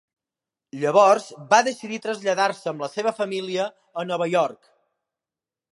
Llavors va decidir traslladar-se amb la seva família a Nova York.